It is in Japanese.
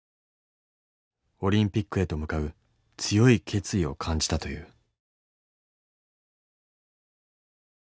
オリンピックへと向かう強い決意を感じたという。